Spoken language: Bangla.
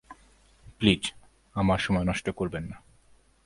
প্লীজ, আমার সময় নষ্ট করবেন না।